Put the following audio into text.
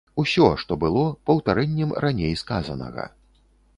Усё, што было, паўтарэннем раней сказанага.